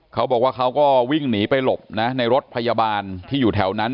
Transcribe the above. เขาก็วิ่งหนีไปหลบนะในรถพยาบาลที่อยู่แถวนั้น